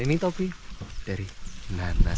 ini topi dari nanas